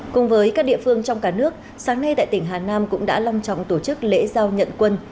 cùng với các địa phương trong cả nước sáng nay tại tỉnh hà nam cũng đã long trọng tổ chức lễ giao nhận quân